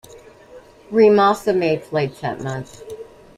Ream also made flights that month.